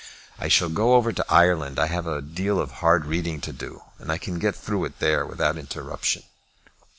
I shall go over to Ireland. I have a deal of hard reading to do, and I can get through it there without interruption."